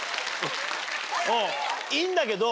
いいんだけど。